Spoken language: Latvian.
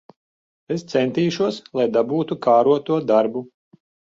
Es centīšos, lai dabūtu kāroto darbu.